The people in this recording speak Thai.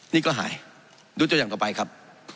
นี่ก็หายดูตัวอย่างต่อไปครับ